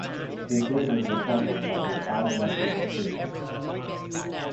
His neighbours are puzzled by his odd method of fishing.